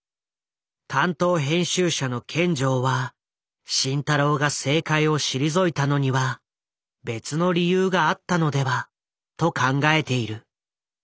担当編集者の見城は慎太郎が政界を退いたのには別の理由があったのではと考えている。